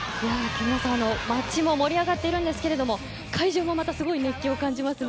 街も盛り上がっているんですけど会場もすごい熱気を感じますね。